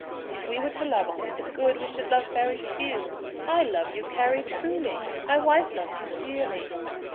"If we were to love only the good, we should love very few. I love you, Carry, truly. My wife loves you dearly."